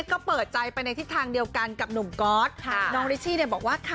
ก็คุยกันได้ลงตัวค่ะ